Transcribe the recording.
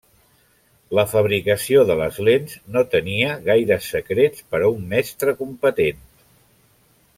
La fabricació de les lents no tenia gaires secrets per a un mestre competent.